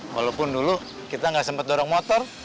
walaupun dulu kita nggak sempat dorong motor